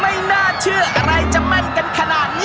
ไม่น่าเชื่ออะไรจะแม่นกันขนาดนี้